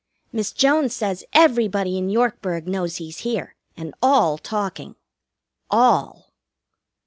Miss Jones says everybody in Yorkburg knows he's here, and all talking. All!